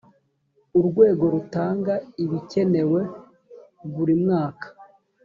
urwego rutanga ibikenewe burimwaka.